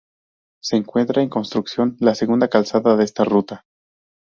Se encuentra en construcción la segunda calzada de esta ruta.